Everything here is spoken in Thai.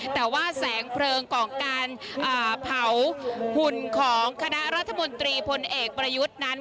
แต่ว่าแสงเพลิงของการเผาหุ่นของคณะรัฐมนตรีพลเอกประยุทธ์นั้น